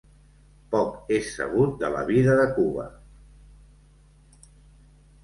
Poc és sabut de la vida de Cuba.